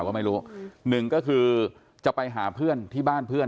ก็ไม่รู้หนึ่งก็คือจะไปหาเพื่อนที่บ้านเพื่อน